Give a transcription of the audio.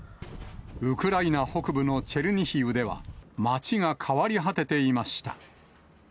ウクライナ北部のチェルニヒウでは、街が変わり果てていました。